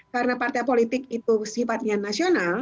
karena partai politik itu sifatnya nasional